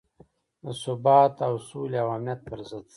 د ثبات او سولې او امنیت پر ضد.